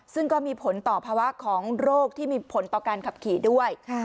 ซึ่งก็มีผลต่อภาวะของโรคที่มีผลต่อการขับขี่ด้วย